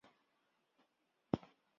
不同时期的叉手礼略有变化。